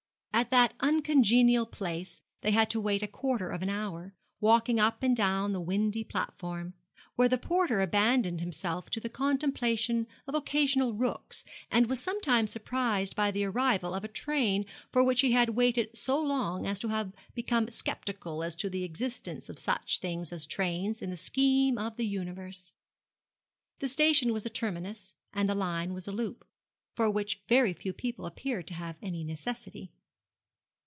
At that uncongenial place they had to wait a quarter of an hour, walking up and down the windy platform, where the porter abandoned himself to the contemplation of occasional looks, and was sometimes surprised by the arrival of a train for which he had waited so long as to have become sceptical as to the existence of such things as trains in the scheme of the universe. The station was a terminus, and the line was a loop, for which very few people appeared to have any necessity.